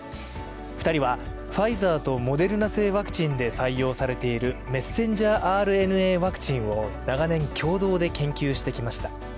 ２人はファイザーとモデルナ製ワクチンで採用されているメッセンジャーＲＮＡワクチンを長年共同で研究してきました。